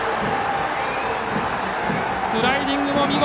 スライディングも見事！